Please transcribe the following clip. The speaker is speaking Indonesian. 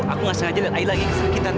aku gak sengaja liat aida lagi kesakitan